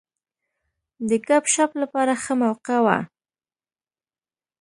د ګپ شپ لپاره ښه موقع وه.